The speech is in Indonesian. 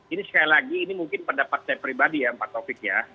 ini sekali lagi ini mungkin pendapat saya pribadi ya pak taufik ya